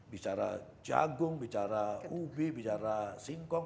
bicara jagung bicara ubi bicara singkong